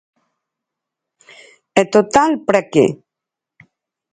E total, ¿para que?